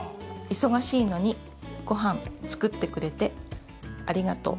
忙しいのにごはん作ってくれて、ありがとう。